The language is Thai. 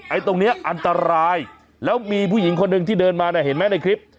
ตรงนี้อันตรายแล้วมีผู้หญิงคนหนึ่งที่เดินมาเนี่ยเห็นไหมในคลิป